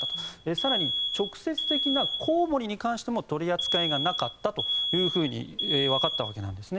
更に直接的なコウモリに関しても取り扱いがなかったというふうに分かったわけなんです。